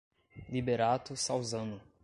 Liberato Salzano